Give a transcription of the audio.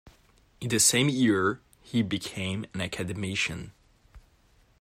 In the same year he became an Academician.